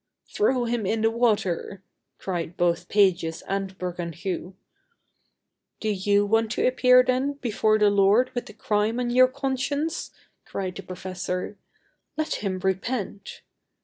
"Throw him in the water," cried both Pages and Bergounhoux. "Do you want to appear, then, before the Lord with a crime on your conscience?" cried the professor; "let him repent!"